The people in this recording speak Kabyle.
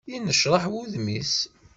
Yennecraḥ wudem-is.